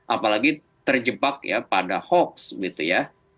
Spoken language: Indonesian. apalagi terjebak ya pada hoax gitu ya